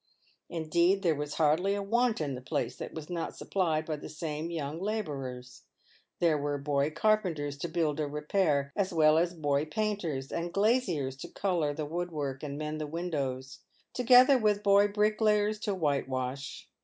Indeed, there was hardly a want in the place that was not supplied by the same young labourers. There were boy carpenters to build or repair, as well as boy painters and glaziers to colour the woodwork and mend the windows, together with boy bricklayers to whitewash.